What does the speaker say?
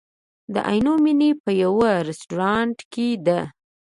د عینومېنې په یوه رستورانت کې ده.